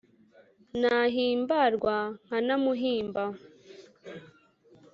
Nahimbarwa nkanamuhimba